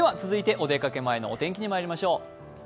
お出かけ前のお天気にまいりましょう。